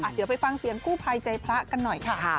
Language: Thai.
เดี๋ยวไปฟังเสียงกู้ภัยใจพระกันหน่อยค่ะ